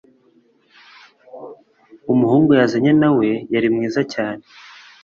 umuhungu yazanye na we yari mwiza cyane